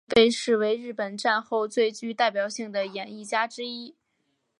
与美空云雀被视为日本战后最具代表性的演艺家之一。